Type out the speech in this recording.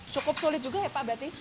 cukup sulit juga ya pak berarti